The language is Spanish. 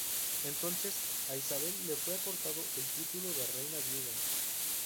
Entonces, a Isabel le fue acordado el título de reina-viuda.